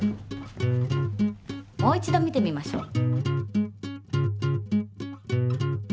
もう一度見てみましょう。